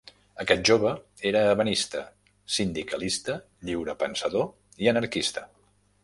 Aquest jove era ebenista, sindicalista, lliurepensador i anarquista.